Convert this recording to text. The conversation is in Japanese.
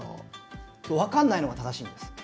分からないのが正しいんです。